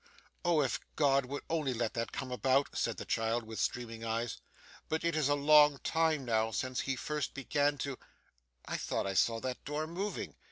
'Oh, if God would only let that come about!' said the child with streaming eyes; 'but it is a long time now, since he first began to I thought I saw that door moving!